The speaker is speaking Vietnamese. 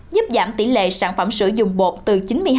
giúp giảm tỷ lệ sản phẩm sữa dùng bột từ chín mươi hai